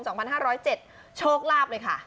โชคลาภเลยค่ะ